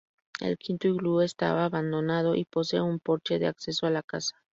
El quinto iglú está abandonado y posee un porche de acceso a la casa.